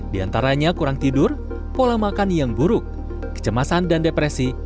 di antaranya kurang tidur pola makan yang buruk kecemasan dan depresi